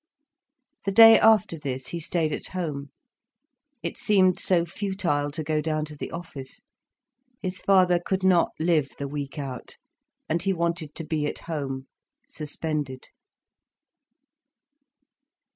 The day after this, he stayed at home—it seemed so futile to go down to the office. His father could not live the week out. And he wanted to be at home, suspended.